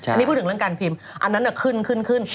อันนี้พูดถึงเรื่องการพิมพ์อันนั้นขึ้นขึ้นขึ้น